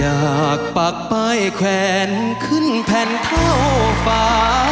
อยากปักป้ายแขวนขึ้นแผ่นเท่าฟ้า